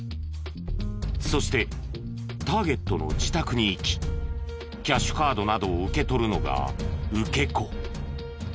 そしてターゲットの自宅に行きキャッシュカードなどを受け取るのが受け子。